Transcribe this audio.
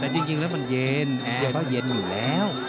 แต่จริงแล้วมันเย็นแอร์ก็เย็นอยู่แล้ว